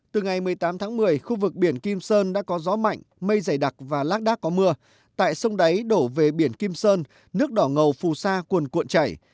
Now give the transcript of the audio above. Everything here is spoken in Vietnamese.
từ ngày một mươi tám tháng một mươi khu vực biển kim sơn đã có gió mạnh mây dày đặc và lác đác có mưa tại sông đáy đổ về biển kim sơn nước đỏ phù sa cuồn cuộn chảy